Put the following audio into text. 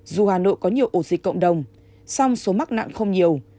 dù hà nội có nhiều ổ dịch cộng đồng song số mắc nạn không nhiều